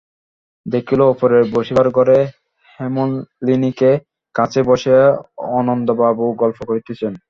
দেখিল, উপরের বসিবার ঘরে হেমনলিনীকে কাছে বসাইয়া অন্নদাবাবু গল্প করিতেছেন।